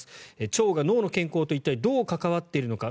腸が脳の健康と一体どう関わっているのか。